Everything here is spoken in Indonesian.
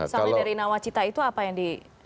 soalnya dari nawacita itu apa yang dikisahkan